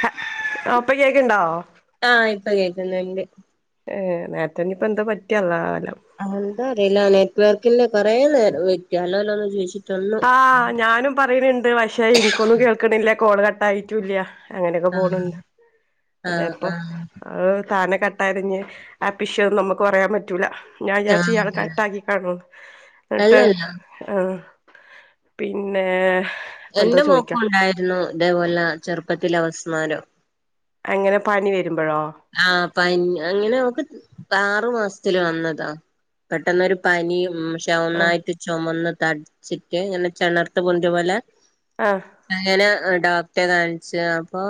ഹ ആഹ് ഇപ്പകേക്ക്ണ്ടോ ആഹ് ഇപ്പ കേക്ക്ന്ന്ണ്ട് ഏഹ് നേര്ത്തെഞ്ഞ് ഇപ്പെന്താപറ്റി അള്ളാഹു അഹലം അതെന്താ അറിയില്ല നെറ്റ് വർക്കിന്റെ കൊറെ നേരം വെെറ്റ് ഹലോ ഹലോല്ലോന്നാേയ്ച്ച് വിളിച്ചിട്ടെന്നും ആഹ് ഞാനും പറിണ് ണ്ട് പക്ഷെ ഇൻക്കൊന്നും കേൾക്ക്ണില്ല കോള് കട്ടായിറ്റുല്യ അങ്ങനെക്കെ പോണ് ആഹ് ണ്ട് ആഹ് അതെപ്പാെ ആഹ് അത് കാരനെകാ കരഞ്ഞ് ആപ്പിശ്യോന്ന് നമ്മക്ക് പറയാൻ പറ്റൂല ഞാൻ വിചാരിച്ച് ആഹ് ഇയാള് അതെ കട്ടാക്കിക്കാണോന്ന് ഇട്ത്ത് അല്ലല്ല ആഹ് പിന്നേഹ് എന്റെ മോക്കും ഉണ്ടായിരുന്നു ഇതെപോലെ ചെറ്പ്പത്തില അവസ്മാരം അത് എങ്ങനെ പനി വെരുമ്പഴോ ആഹ് പൻ അങ്ങനെ ഓക്ക് ആറ്മാസ്ത്തില് വന്നതാ പെട്ടെന്നാെരു പനീം ഉം ശ് റ്റ ആഹ് ഒന്നായിട്ട് ചൊമന്ന് തട്ച്ചിട്ട് ഇങ്ങനെ ചെണർത്ത് പൊന്തിയ പോലെ ആഹ് അങ്ങനെ ആഹ് ഡോക്ടറെ കാൺച്ച് അപ്പൊ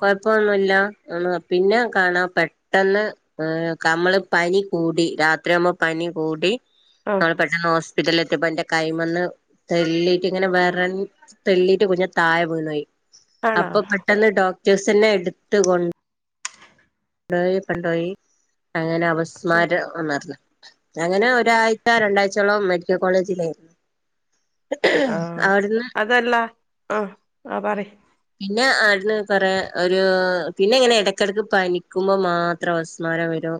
കൊഴപ്പൊന്നുല്ലാ എന്ന് പർഞ്ഞു പിന്നെ കാണാ പെട്ടെന്ന് ഏഹ് കമ്മള് പനി കൂടി രാത്രിയാവുമ്പാെ പനികൂടി ആഹ് അങ്ങനെ പെട്ടെന്ന് ഹോസ്പിറ്റലിലെത്തിയപ്പാെ ഇന്റെ കൈമന്ന് തെല്ലീട്ട്ങ്ങനെ വെറഞ്ഞ് തെല്ലിട്ട് കുഞ്ഞ് താഴെ വീണോയി ആണോ അപ്പൊ പെട്ടെന്ന് ഡോക്ടേഴ്സെന്നെ എടുത്ത് കൊ ണ്ടോയി ഇപ്പന്തോയി അങ്ങനെ ആഹ് അപസ്മാരാ എന്നറിഞ്ഞു അങ്ങനെ ഒരായ്ച രണ്ടായ്ചയോളം മെഡിക്കൽ കോളേജിലേര്ന്നു ആഹ് അതല്ല ആഹ് ആഹ് പറി പിന്നെ ആട്ന്ന് കൊറേ ഒരൂ പിന്നെങ്ങനെ എടക്കെടക്ക് പനി ക്കുമ്പാെ മാത്രം അവസ്മാരം വെരും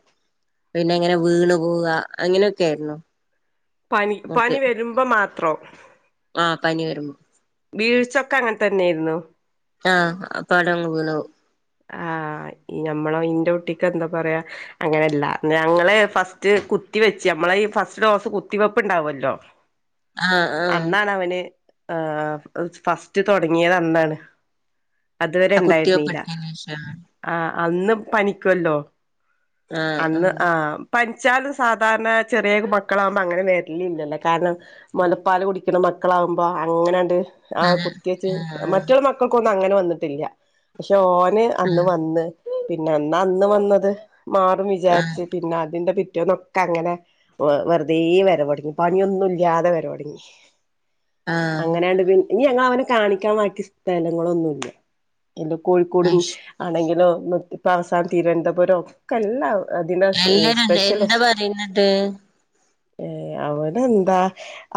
പിന്നെ എങ്ങനെ വീണ് പോവാ അങ്ങനെക്കേര്ന്നു പനി പനി വെരുമ്പാെ മാത്രോ ആഹ് പനി വെരുമ്പാെ വീഴ്ച ഒക്കെ അങ്ങൻതെന്നേര്ന്നോ ആഹ് അപ്പവടങ്ങ് വീണു പോവും ആഹ് ഇഞമ്മളെ ഇന്റെ കുട്ടിക്ക് എന്താ പറയാ അങ്ങനെല്ല ഞങ്ങള് ഫസ്റ്റ് കുത്തി വെച്ച് അമ്മളേയ് ഫസ്റ്റ് ഡോസ് കുത്തിവെപ്പ് ഇണ്ടാവാെല്ലോ ആഹ് ആഹ് അന്നാണവന് ആഹ് അത് ഫസ്റ്റ് തൊടങ്ങിയത് അന്നാണ് അത് വരെ ഇണ്ടായ്രിനീല ഈശ്വരാ ആഹ് അന്ന് പനിക്കാെല്ലോ ആഹ് അന്ന് ആഹ് പനിച്ചാലും സാധാരണ ചെറിയ മക്കളാവുമ്പാെ അങ്ങനെ വെര്ലില്യല്ലോ കാരണം മൊലപ്പാല് കുടിക്ക്ണ മക്കളാവുമ്പാെ അങ്ങനെണ്ട് ആഹ് കുത്തിവെച്ച് അതെ ആഹ് മറ്റോളെ മക്കൾക്കൊന്നും അങ്ങനെ വന്ന്ട്ടില്യ പക്ഷെ ഓന് അന്ന് വന്ന് പിന്നെ എന്നാ അന്ന് വന്നത് മാറും ആഹ് ആഹ് വിജാര്ച്ച് പിന്നെ അതിന്റെ പിറ്റേന്നൊക്കെ അങ്ങനെ വ വെറ്തെ വെരവ്തൊടങ്ങി പണിയൊന്നും ഇല്യാതെ വെരവാെടങ്ങി ആഹ് അങ്ങനെയണ്ട് പിൻ ഇനി ഞങ്ങള് അവനെ കാണിക്കാം വാക്കി സ്ഥലങ്ങളൊന്നുല്യ ഇല്ല കോഴിക്കോടും അയ്ശ് ആണെങ്കിലും നൊറ്റ് ഇപ്പ അവസാനം തിരുവനന്തപുരം ഒക്കെ എല്ലാ അതിനാസ് സ് എല്ലാരും അല്ലേ എന്താ സ്പെഷ്യലെസ് പറയുന്നിട്ട് ഏഹ് അവനെന്താ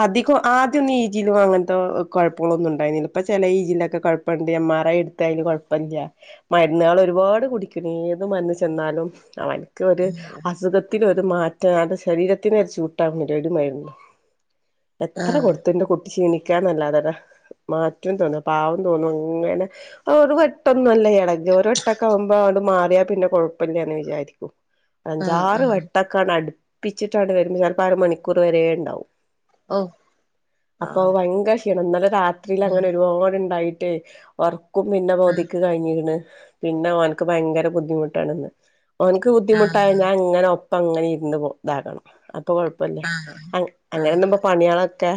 അധികും ആദ്യ ഒന്നും ഈജീലും അങ്ങൻത്തെ കൊ കൊഴപ്പങ്ങളൊന്നും ഉണ്ടായ്നില ഇപ്പ ചെലെ ഇ ജി ലെക്കെ കൊഴ് ഇപ്പണ്ടി എം ആർ ഐ ഇട്ത്തൈല് കൊഴപ്പല്യ മരുന്നുകൾ ഒരുപാട് കുടിക്കണ് ഏത് മരുന്ന് ചെന്നാലും അവൻ ക്ക് ഒരു അസുഖത്തിന് ഒരു മാറ്റം ടെ ശരീരത്തിന് ഒരു സുയിട്ടകുന്നില്ല ഒരു മരുന്നും എത്ര ആഹ് കൊടുത്തു ന്റെ കു ക്ഷീണിക്കാനല്ലാതല്ല മാറ്റ തോന്നും പാവം തോന്നും അങ്ങനെ ഒരു വെട്ടൊന്നുല്ല ഇട ഒരു വെട്ടക്കെ ആവുമ്പോമാറിയാ പിന്നെ കുഴപ്പമില്ലന്ന് വിചാരിച്ച ആഹ് അഞ്ചാറ് ആഹ് വെട്ടൊക്കാണ് അടുപ്പിച്ചിട്ടാണ് വരുമ്പൾ ചിലപ്പോ അര മണിക്കൂർ വര ഉണ്ടാവും ഓ അപ്പൊ ആഹ് ഭയങ്കര ക്ഷീണംന്നല രാത്രിൽ അങ്ങനെ ആഹ് ഒരുപാട്ണ്ടായിട്ടേ ഒറക്കും പിന്നെ പകുതിക്ക് കഴിഞ്ഞിക്ക് ണ് പിന്നെ ഒന്ക്ക് ഭയങ്കര ബുദ്ധിമുട്ടാണ്ന്ന് ഒ നിക്ക് ആഹ് ബുദ്ധിമുട്ടായി ഞാൻങ്ങനെ ഒപ്പം ങ്ങനെ ഇരുന്ന് കൊടുക്കണം അപ്പൊ.. പ്പല്ല ആഹ് ആഹ് അങ്ങനെന്നു പണികളൊക്കെ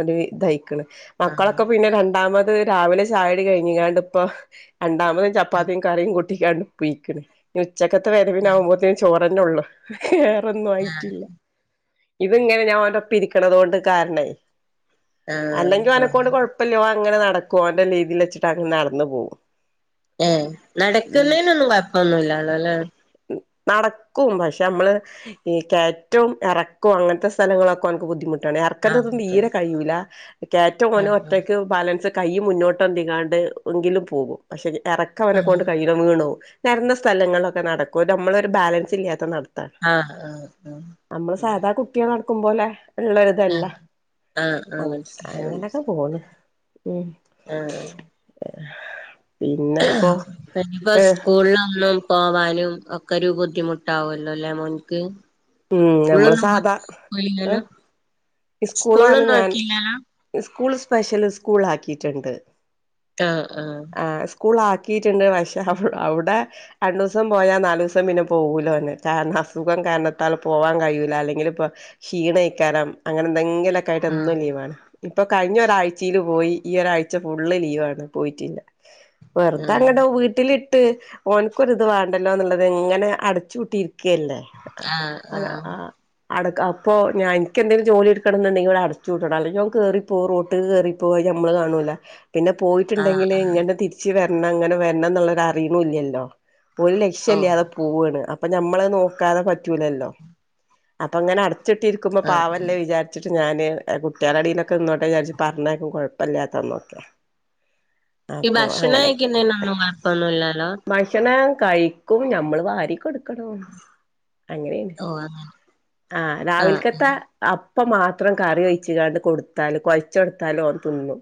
ഒരു ഇതയിക്കണ് മക്കളൊക്കെ പിന്നെ രണ്ടാമത് രാവിലെ ചായടി കഴിഞ്ഞാണ്ട് ഇപ്പൊ രണ്ടാമതും ചപ്പാത്തിയും കറിയും കുട്ടിക്കാണ്ട് പോയിക്കണ് ഉച്ചക്കത്തെ വരവിനാവുമ്പോത്തേന് ചോറന്നെ ഉള്ളൂ വേറെ റൊന്നും ആയിട്ടില്ല ഇത് ഇങ്ങനെ ഞാൻ അവനൊപ്പം ഇരിക്കണത കൊണ്ട് കാരണം അല്ലെങ്കിൽ ഒ ആഹ് ആഹ് നെക്കൊണ്ട്കൊയ പ്പല്ലോ അങ്ങനെ നടകുംഓന്റെ രീതിൽ വച്ചിട്ട് അങ്ങനെ നടന്ന്പോകും ഏ നടക്കുന്നേനൊന്നും കുഴപ്പന്നുല്ലല്ലേ നടക്കും പക്ഷെ നമ്മള് ഈ കയറ്റവും ഇറക്കവും അങ്ങനത്തെ സ്ഥലങ്ങളൊകെ ഒനിക്ക് ബുദ്ധിമുട്ടാണ് ആഹ് ക്കണ്ടതും ഓക്കെ തീരെ കഴൂല കയറ്റംഓൻ ആഹ് ഒറ്റയ്ക്ക് ബാലൻസ് കൈ മുന്നോട്ടം തികാണ്ട് എങ്കിലും പോകും പക്ഷെ ഇറക്ക അവനെക്ക ആഹ് കൊണ്ട് കയില്ല വീണ് പോകും സ്ഥലങ്ങളൊക്കെ നടക്കും നമ്മളൊരു ബാലൻസ് ഇല്ലാത്ത നടത്ത ആഹ് ആഹ് നമ്മള് സാധാ കുട്ടിള് നടക്കുംപോലെ ഉള്ളത് ആഹ് ആഹ് മനസ്സിലായി മനസ്സിലായി അങ്ങനെയൊക്കെ പോണ് ഉം [inaudible] ആഹ് പിന്ന ഇപ്പ സ്കൂളിലാ ല്ലും പോവാനും ഒക്കെരു ബുദ്ധിമുട്ടാവുല്ലോ ലെ മോൻക്ക് ഉം നമ്മള് സ്കൂളിലൊന്നും പോ സാധാ പോയില്ലല്ലോ ഏ സ്കൂള ആണ് സ്കൂളിലൊന്നും ഞാൻ ആക്കിയില്ലല്ലോ സ്കൂൾ സ്പെഷ്യല് സ്കൂൾ ആക്കിട്ടുണ്ട് ആഹ ആഹ ഹ സ്കൂൾ ആക്കിയിട്ടുണ്ട് പക്ഷേ അവിടെ രണ്ടു ദിവസം പോയാൽ നാല് ദിവസം പിന്നെ പോകൂലാ ഓൻ കാരണം അസുഖം കാരണം ! ! പോവാൻകഴിയുല്ല അല്ലെങ്കിൽ ഇപ്പ ക്ഷീണക്കാരം അങ്ങനെഎന്തെങ്കിലും ആയിട്ട് എ ആഹ് ന്നും ലീവാണ് ഇപ്പൊ കഴിഞ്ഞ ഒരാഴ്ചയില് പോയി ഈ ഒരാഴ്ച ഫുള് ലീവാണ് പോയിട്ടില്ല വെറുതെ അങ്ങട് ആഹ് വീട്ടിൽ ട്ട് ഓന്ക്കരുത് വേണ്ടല്ലോ ന്നുള്ളത് ഇങ്ങനെ അടച്ചു പൂട്ടിയിരിക്കുകല്ലേ ആതാ ആഹ് അടകഅപ്പോ ഞാ എനിക് എന്തെങ്കിലും ജോലിടുക്കണമെങ്കിൽ അടച്ചു പൂട്ടണം അല്ല ഓ ൻ ക കേറി പ്പോ റോട്ട്ക്ക്‌ കേറിപ്പോ അത് നമ്മള് കാണൂല പിന്നെ ആഹ് പോയിട്ടുണ്ടെങ്കില് ആഹ് എങ്ങനെ തിരിച്ച് വരണം ങ്ങനെ വരണം എന്നുള്ളത് അറിയുന്നില്ലല്ലോ ഒരു ലക്ഷ്യം ഓഹ് ഇല്ലാതെ പോവാ ണ് അപ്പൊ നമ്മളെ നോക്കാതെ പറ്റു ലല്ലോ അപ്പ അങ്ങനെ അടച്ചിട്ടി ഇരിക്കുമ്പോ ആഹ് പാവല്ലേ വിചാ വെച്ചട്ട് ഞാന് കുട്ടിളാ ഇടയിലൊക്കെ നിന്നോട്ടെ വിചരിച്ച് പറഞ്ഞേക്കും കുഴപ്പ ല്ലാത്ത ന്നകെ ഈ ഭക്ഷണ കഴിക്കുന്നതിനൊന്നും കുഴപ്പൊന്നുല്ലാലോ ഭക്ഷണം കഴിക്കും ഞമ്മള് വാരി കൊടുക്കണം അങ്ങനെണ് ഓഹ് അങ്ങനെ ആഹ് രാവിൽക്കത്തെ അപ്പം മാത്രം കറി ഒഴിച്ങ്ങാണ്ട് കൊടുത്താല് കൊഴച്ചെടുത്താല് ഓൻ തിന്നും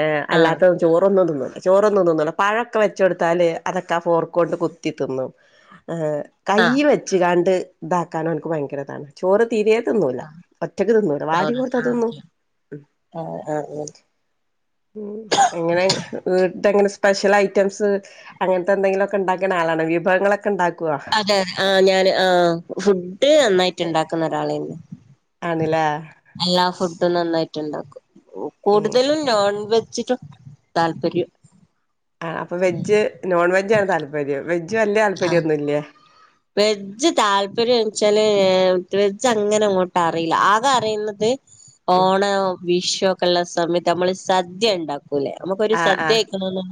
ഏ ആഹ് അല്ലാത്ത ചോറൊന്നും തിന്നുല്ല ചോറൊന്നും തിന്നുല്ല പഴൊക്കെ വെച്ചെടുത്താല് അതൊക്കെ ആ ഫോർക്ക് കൊണ്ട് കുത്തി തിന്നും ഹ് ആഹ് കൈയ്യ് വെച്ചു ങ്ങാണ്ട് ഇതാക്കാന് ഓൻക്ക് ഭയങ്കരതാണ് ചോറ് തീരെ തിന്നൂല ഒറ്റക്ക് തിന്നുല്ല വാരി ചോറ് കൊട്ത്ത ആഹ് തിന്നും. ഓക്കെ ആഹ് അഹ് ആണല്ലോ ഉ എങ്ങനെ വീട്ട്ങ്ങനെ സ്പെഷ്യൽ ഐറ്റംസ് അങ്ങന് ത്തെ എന്തെങ്കിലൊക്കെ ണ്ടാക്ക്ണ ആളാണോ വിഭവങ്ങളൊക്കെ ഉണ്ടാക്കോ? ആഹ് ഞാന് ആഹ് ഫുഡ് നന്നായിട്ട് ണ്ടാക്കുന്ന ഒരാളേന്ന് ആണ്ലേ എല്ലാ ഫുഡും നന്നായിട്ട് ണ്ടാക്കും ഉം കൂടുതലും നോൺ വെജിനും താല്പര്യം ആ അപ്പൊ വെജ് നോൺ വെജ് ആണ് താല്പര്യം വെജ് വലിയ ആഹ് താല്പര്യന്നുല്ലേ വെജ് താല്പര്യം വെച്ചാല് ഏ വെജ് അങ്ങനെ അങ്ങോട്ട് അറീല്ല ആകെ അറിയുന്നത് ഉം ഓണോ വിഷു ഒക്കെ ഉള്ള സമയത്ത് നമ്മള് സദ്യ ഉണ്ടാക്കും ല്ലെ നമുക്കൊരു ആഹ് സദ്യ ആഹ് കയിക്കണന്നു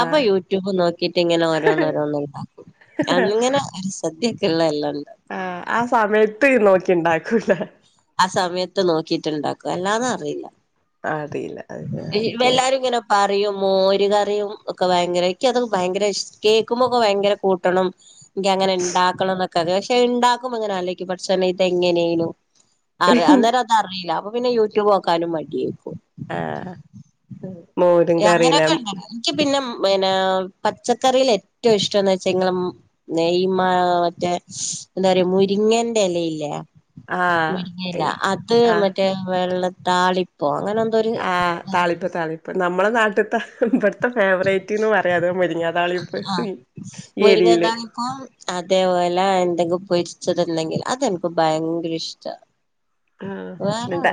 അപ്പൊ ആഹ് യൂട്യൂബുംനോക്കിട്ട് ഇങ്ങനെ ഓരോന്ന് ഓരോന്ന് ണ്ടാക്കും അങ്ങനെ ഒരു സദ്യക്കുള്ള എല്ലാണ്ട് ആഹ് ആ സമയത്ത് നോക്കിണ്ടാക്കൂല്ലേ ആ സമയത്ത് നോക്കിയിട്ട്ണ്ടാക്കും അല്ലാതെ അറിയില്ല അദീല്ല ഈ വല്ലാരും ങ്ങനോ പറിയും മോര്കറിയും ഒക്കെ ഭയങ്കര ഇക്ക് അത് ഭയങ്കര ഇഷ് കേക്കുമ്പോക്കെ ഭയങ്കര കൂട്ടണം ഇന്ക്ക് അങ്ങനെണ്ടാക്കണം എന്നൊക്കെ പക്ഷെ ഉണ്ടാക്കുമ്പോങ്ങനാ ആലോയ് ക്കും പടചോനെ ഇത് എങ്ങനെനു അറ അന്നേരം ഒന്നും അറീല്ല അപ്പൊ പിന്നെ യൂട്യൂബ് നോക്കാനും മടിയേക്കും ആഹ് മോരും കറിലെ ഇന്ക്ക് പിന്നെ പിനെ പച്ചക്കറില് ഏറ്റവും ഇഷ്ടം എന്ന് വെച്ച ങ്ങളം നെയ്മ മറ്റേ എന്താറ്യ മുരിങ്ങന്റെ എലയില്ലേ ആഹ് മുരിങ്ങയില അത് ആഹ് മറ്റേ വെള്ള താളിപ്പോ അങ്ങനെ എ ആഹ് താളിപ്പ്താളിപ്പ് നമ്മളെ നാട്ടിത്തെ ഇവിടുത്തെ ഫേവറേറ്റ്ന്ന് പറയാ മുരിങ്ങാ- താളിപ്പ് മി ഏരിയില് കാൾ അതേപോലെ എന്തെങ്കിലും പൊരിച്ചത്ണ്ടെങ്കിൽ അതെന്ക്കും ഭയങ്കര ഇഷ്ട ആഹ് വേറെ ന്നിട്ട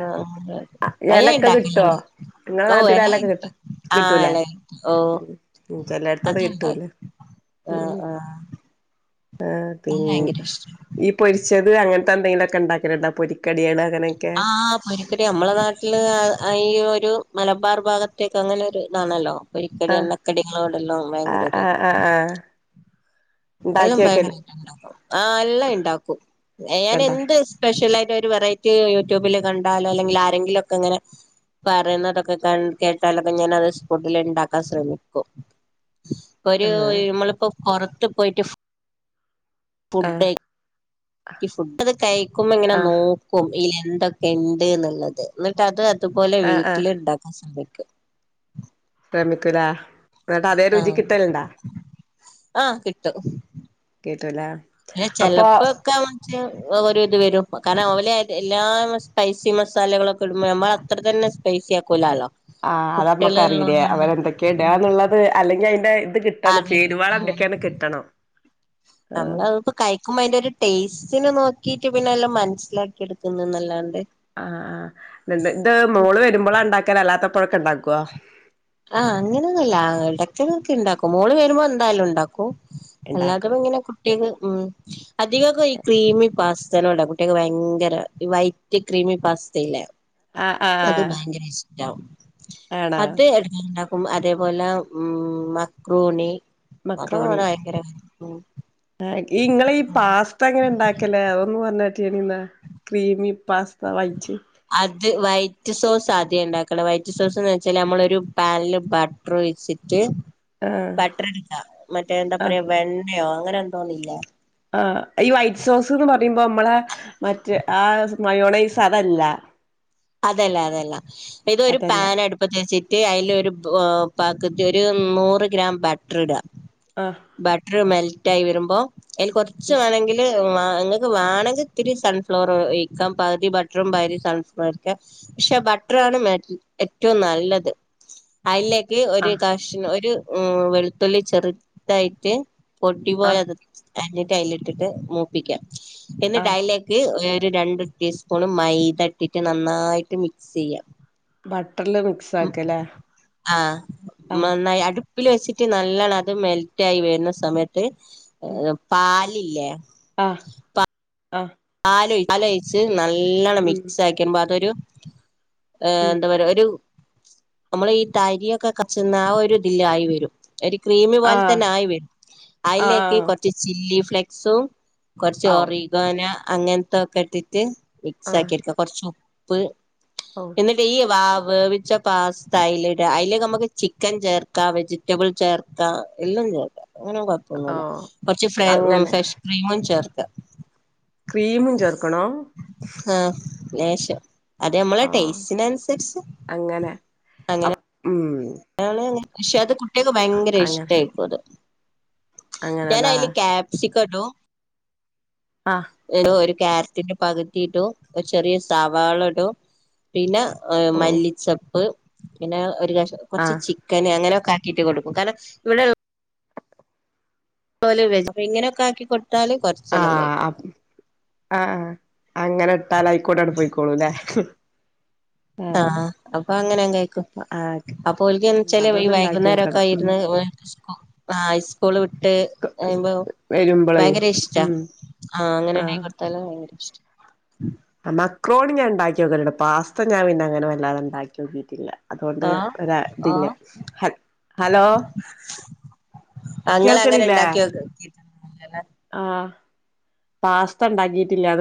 അത് ഞാൻ എലൊക്കെ കിട്ടോ? ഇണ്ടാക്കലുണ്ട് നിങ്ങളെ ഓ എല നാട്ടിലാലൊക്കെ കിട്ട കിട്ടും ആഹ് കിട്ടൂലേ എല കിട്ടും ഓ ചേല്ലട്ത്തത് കിട്ടൂല ആഹ്ആഹ് ആ പിന് ഈ പൊരിച്ചത് അങ്ങനത്തെന്തെങ്കിലൊക്കെ ഉണ്ടാക്കലണ്ടോ പൊരിക്കട്യാള് ആഹ് പൊരിക്കടി നമ്മളെ നാട്ടില് ആഈ ഒരു മലബാർ ഭാഗത്തേക്കെ അങ്ങനെ ഒരു ഇതാണല്ലോ പെരിക്കടി ആഹ് എണ്ണക്കടികളോടെല്ലാം ആഹ് ഭയങ്കരരു ആഹ് ആഹ് ആഹ് എല്ലാം ഉണ്ടാക്കി വെക്കല് ഭയങ്കരാ ഇണ്ടാക്കും ആ എല്ലാം ഇണ്ടാക്കും ക്കണ്ടാ ഞാനെന്ത് സ്പെഷലായിട്ട് ഒരു വെറൈറ്റി യൂട്യൂബില് കണ്ടാലോ അല്ലെങ്കിൽ ആരെങ്കിലുംലൊക്കെ ഇങ്ങനെ പറിണതൊക്കെ കൺ കേട്ടാലൊക്കെ ഞാൻ അത് സ്പോട്ടിൽ ഇണ്ടാക്കാൻ ശ്രമിക്കും. ഒരു ആഹ് നമ്മളിപ്പോ പുറത്ത് പോയിട്ട് ഫു ആഹ് ഫുഡെ ഈഫുഡോക്കെ കഴിക്കുമ്പോ ഇങ്ങനെ നോ ആഹ് നോക്കും തിൽ എന്തൊക്കെ ഇണ്ട്ന്നുള്ളത് എന്നിട്ട് അത് അതുപോലെ ആഹ് ആഹ് വീട്ടില് ഇണ്ടാക്കാൻ ശ്രമിക്കും. ശ്രമിക്കൂല ന്നിട്ട് അതേ രുചി ആഹ് കിട്ടല്ണ്ടോ ആഹ് കിട്ടും കിട്ടൂലോ ന്നെ ചെലപ്പോക്കെ [unintelligible] ഒരു ഇത് വരും കാരണം ഓലെ എല്ലാ സ്പൈസി മസാലകളൊക്കെ ഇടുമ്പോ ഞമ്മള് അത്ര തന്നെ സ്‌പൈസിക്കൂലാലോ ആഹ് അത് നമ്മക്ക് അറിയൂല്ലേ അവരെഎന്തൊക്കെയ ഉം ഇടാന്നുള്ളത് അല്ലെങ്കി അതിന്റെ ഇത് കിട്ട എന്താണ് അറിയില്ല ചേരുവാള് ഉം എന്തൊക്കെയാണ് കിട്ടണം ആഹ് കയിക്കുമ്പോ അതിന്റെ ഒരു ടേസ്റ്റിന് നോക്കിട്ട് പിന്നെ എല്ലാം മനസ്സിലാക്കി എടുക്കുന്നന്നല്ലാണ്ട് ആഹ് ആഹ് ഇതണ്ട് ഇത് മോള് വരുമ്പോളാ ഇണ്ടാക്കല് അല്ലാത്തപ്പോഴൊക്കെ ഇണ്ടാക്കൊ ആഹ് അങ്ങനൊന്നുല്ല ഇടക്കെല്ക്കെ ഇണ്ടാക്കും മോള് വരുമ്പോ എന്തായാലും ഉണ്ടാക്കും ഉണ്ടാക്കും അല്ലാത്തപ്പം ഇങ്ങനെ കുട്ടികൾ ഉമ് അധികൊക്കെ ഈ ക്രീമി പാസ്തേനോടാ കുട്ട്വക്ക് ഭയങ്കര ഈ വൈറ്റ് ക്രീമി പാസ്തല്ലേ ആഹ് അത് ആഹ് ഭയങ്കര ഇഷ്ടവും ആണോ അത് എ ഇണ്ടാക്കും അതുപോലെ ഉമ് മക്രോണി. മക്രോണി ആഹ് ഇങ്ങളിപാസ് ഇപ്പ എങ്ങനെ ഇണ്ടാക്കല്ഒന്ന് പറഞ്ഞെട്ടീണിന്നെ ക്രീമിപാസ്ത വൈറ്റ്. അത് വൈറ്റ് സോസ് ആദ്യം ഇ ണ്ടാക്കണം വൈറ്റ് സോസ് എന്ന് വെച്ചാല് നമ്മളൊരു പാനില് ബ ട്ടർ ഒഴിച്ചിട്ട് ആഹ് ബട്ടർഇടണ്ട മറ്റേ എന്താ ആഹ് പറയാ വെണ്ണയോ അങ്ങനെ എന്തോന്നില്ലേ ആഹ് ഈ വൈറ്റ് സോസ് എന്ന് പറയുമ്പോ നമ്മളെ മറ്റ് ആ മയോണേയ്സ് അതല്ല അതല്ല അതല്ല ഇതൊരു അതല്ല പാൻഅടു പ്പത്തിവെച്ചിട്ട് അയിലൊരു പ മ് പകുതി ഒരു നൂറ് ഗ്രാം ബട്ടർ ഇട ആഹ് ബട്ടറ്മെൽറ്റ് ആയി വരുമ്പോ അതില്കൊറച്ച് മാണങ്കില് ങ്ങക്ക് വാണെങ്കിത്തിരി സൺഫ്ലോറ് ഒയിക്കാം പകുതി ബട്ടറൂം പകുതി സൺഫ്ലോ പക്ഷെ ബട്ടറാണ് മേ ഏറ്റവും നല്ലത് അയിലേക്ക് ഒര് ആഹ് ക ക്ഷ ഒര് വെളുത്തുള്ളി ചെറുതായിട്ട് ആഹ് പൊട്ടിപോയത് എന്നിട്ട് അയില് ഇട്ടിട്ട് മൂപ്പിക്ക എന്നിട്ട് ആഹ് അയിലെ ക്ക് ഒര് രണ്ട് ടീസ്പൂൺ മൈത ഇട്ടിട്ട് നന്നായിട്ട് മിക്സ് ചെയ്യാം. ബട്ടർല് മിക്സ് മ് ആക്കലേ ആഹ് ആഹ് മന്നായി അടു ടുപ്പില് വെച്ചിട്ട് നല്ലണ്ണം അത് മെൽറ്റ് ആയി വരുന്ന സമയത്ത് ഉം പാലില്ലേ ആഹ് ആഹ് പാലോഴിച്ച് ലോഴിച്ച് നല്ലവണ്ണം ഉം മിക്സ് ആക്കിയ്പോ അതൊരു ഏഹ് ഉം എന്താ പറയാ ഒരു നമ്മള് ഈ താരിയൊക്കെ കച്ചന്ന ആ ഒരു ഇതിലആയി വരും. ഒരു ക്രീംമി പോലെ ആഹ് തന്നെ ആയി വരും അയിലേക്ക് ആഹ് കൊറച്ച് ചില്ലി ഫ്ലെക്സും കൊറച്ച് ഔ ഒറിഗോന അങ്ങനത്തെ ഒക്കെ ഇട്ട്ട്ട് മിക്സ് ആഹ് ആക്കി ക്ക കൊറച്ചു ഉ പ്പ്‌ ഔ എന്നി ട്ട്ഈ വാവ് വേവിച്ച പാസ്ത അയില് ഇട അയിലെക്ക് നമുക്ക് ചിക്കൻ ചേർക്ക വെജ് റ്റബിൾ ചേർക്ക എല്ലാം ചേർക്ക അങ്ങനെകൊ ഓ പ്പോന്നുല്ല കൊറച്ച് ഫ്ര മ് അങ്ങനെ ഫ്രഷ് ക്രീമും ചേർക്ക ക്രീമും ചേർക്കണോ ആഹ് ലേശം അത് ഞമ്മളെ ആഹ് ടേസ്റ്റിനനുസരിച്ച് അങ്ങനെ ഉമ് [unintelligible] അത് പക്ഷെ അത് കുട്ടികക്ക് ഭയങ്കര അങ്ങനെ ഇഷ്ടയിക്കും അത് അങ്ങനെല്ലേ ഞാനായില് ക്യാപ്സിക്കം ഇടും ആഹ് ഒരു ക്യാരറ്റിന്റെ പകുതി ഇടും ഒരു ചെറിയ സവാള ഇടും പിന്നെ ഓ മല്ലിച്ചപ്പ് പിന്നെ ഒരു ആ കൊറച്ച് ചി ക്കൻ അങ്ങനെ ഒക്കെ ആക്കിട്ട് കൊടുക്കും കാരണം ഇവിടെ ഇത് പൊലെ ഇങ്ങനൊക്കെ ആക്കി കൊട്ത്താല് കൊറ ആഹ് ആപ് ആഹ് ആഹ് അങ്ങനെ ഇട്ടാല് ആയിക്കുടാണ്ട് പോയിക്കോളൂല്ലേ ആഹ് അപ്പൊ അങ്ങനെ കഴിക്കും അപ്പൊ ആഹ് അപ്പോ എൻതന്ന് വെച്ചാല് അതൊന്ന് ഇണ്ടാക്കി വൈകുന്നേരംക്കെ വെക്കണം ഉം ഇരുന്ന് ഓല്ക്ക് സ്കൂ കൂൾ വിട്ട് കയുമ്പോ വരുമ്പളേ ഭയങ്കര ഇഷ്ട ഉം ആഹ് അങ്ങനെണെ.. തല പയങ്കര ഇഷ്ടാ മക്രോണിഞാൻ ഉണ്ടാക്കി നോക്കലുണ്ട് പാസ്ത ഞാൻ പിന്നെ അങ്ങനെ വല്ലാണ്ട് ഉണ്ടാക്കി നോക്കിയിട്ടില്ല അതുകൊണ്ട് ആഹ് ഒരാ ഇതില് ഹ ഹലോ ഞങ്ങള്അങ്ങനെ കേൾക്കണില്ലേ ഉണ്ടാക്കിയോക്ക ആഹ് പാസ്ത ഉണ്ടാക്കിട്ടില്ല അത്